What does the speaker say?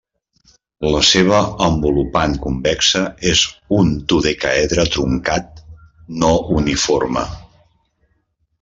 La seva envolupant convexa és un dodecàedre truncat no uniforme.